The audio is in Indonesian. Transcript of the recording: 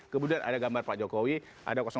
kemudian ada gambar pak jokowi ada